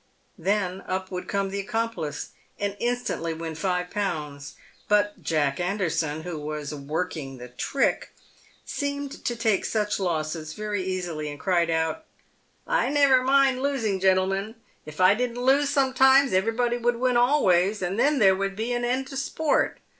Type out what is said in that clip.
Then up would come the accomplice, and instantly win five pounds. But Jack Anderson, who was " working" the trick, seemed to take such losses very easily, and cried out, " I never mind losing, gentlemen ; if I didn't lose sometimes everybody would win always, and then there would be an end to sport.